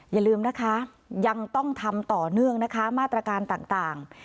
อย่าลืมนะคะยังต้องทำต่อเนื่องนะคะมาตรการต่าง